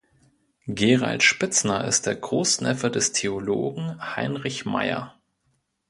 Gerald Spitzner ist der Großneffe des Theologen Heinrich Maier.